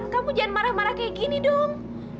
kamu jangan marah marah kayak gini dong